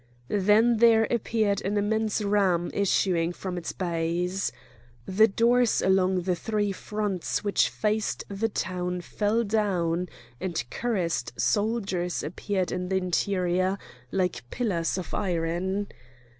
Then there appeared an immense ram issuing from its base. The doors along the three fronts which faced the town fell down, and cuirassed soldiers appeared in the interior like pillars of iron.